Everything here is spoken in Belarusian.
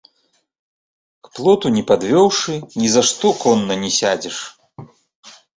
К плоту не падвёўшы, ні за што конна не сядзеш.